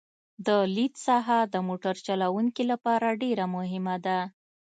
د لید ساحه د موټر چلوونکي لپاره ډېره مهمه ده